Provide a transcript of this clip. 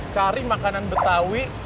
cari makanan betawi